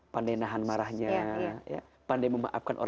pandai nahan marahnya